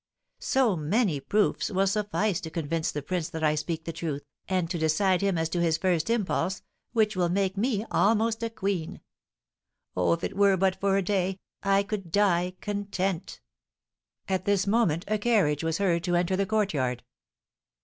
So many proofs will suffice to convince the prince that I speak the truth, and to decide him as to his first impulse, which will make me almost a queen. Oh, if it were but for a day, I could die content!" At this moment a carriage was heard to enter the courtyard.